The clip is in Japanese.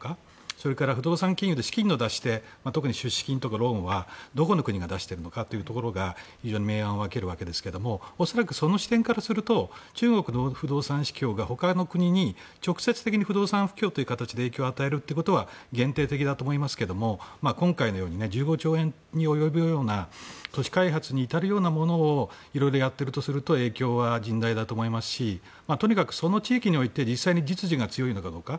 それから不動産企業で資金を出して特に出資金とかローンは、どこの国が出しているのかというのが非常に明暗を分けるわけですけど恐らくその視点からすると中国の不動産不況が他の国に直接的に不動産不況で影響を与えることは限定的だと思いますけども今回のように１５兆円に及ぶような都市開発に至るようなものをいろいろやっているとすると影響は甚大だと思いますしとにかくその地域において実際に実需が強いのかどうか。